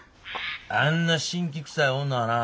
あんな辛気くさい女はな。